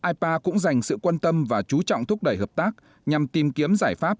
ipa cũng dành sự quan tâm và chú trọng thúc đẩy hợp tác nhằm tìm kiếm giải pháp